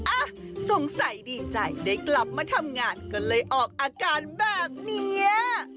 อ่ะสงสัยดีใจได้กลับมาทำงานก็เลยออกอาการแบบนี้